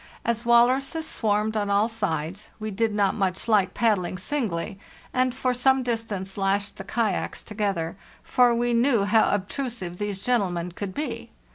As walruses swarmed on all sides, we did not much like paddling singly, and for some distance lashed the kayaks together; for we knew how obtrusive these gentlemen could be.